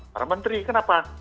para menteri kenapa